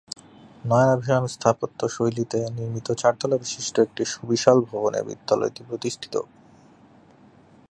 নয়নাভিরাম স্থাপত্য শৈলীতে নির্মিত চারতলা বিশিষ্ট একটি সুবিশাল ভবনে বিদ্যালয়টি প্রতিষ্ঠিত।